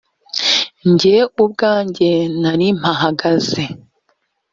jye ubwanjye nari mpahagaze